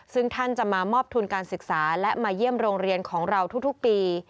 ซึ่งท่านจะมามอบทุนการศึกษาและมาเยี่ยมโรงเรียนของเราทุกปี